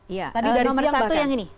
iya nomor satu yang ini